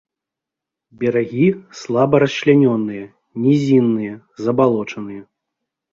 Берагі слаба расчлянёныя, нізінныя, забалочаныя.